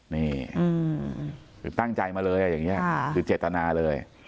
นี่คือตั้งใจมาเลยคือเจตนาเลย